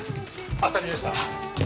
当たりでした。